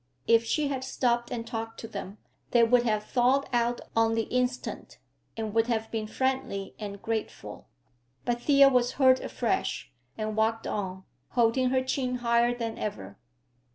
If she had stopped and talked to them, they would have thawed out on the instant and would have been friendly and grateful. But Thea was hurt afresh, and walked on, holding her chin higher than ever.